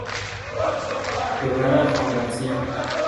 Quebrada Juan García.